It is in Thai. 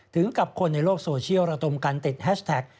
ถึงกับคนในโลกโซเชียลระดมกันติดแฮชแท็ก